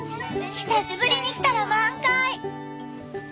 久しぶりに来たら満開！